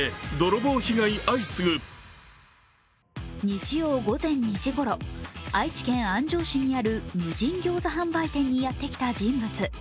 日曜午前２時ごろ愛知県安城市にある無人ギョーザ販売店にやってきた人物。